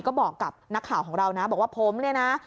ก็บอกกับนักข่าวของเรานะบอกว่าผมเนี่ยนะ